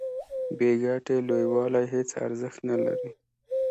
بې ګټې لویوالي هیڅ ارزښت نلري.